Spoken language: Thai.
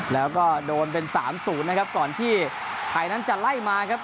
แล้วก็โดนเป็นสามศูนย์นะครับก่อนที่ไทยนั้นจะไล่มาครับ